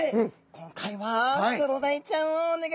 今回はクロダイちゃんをお願いします。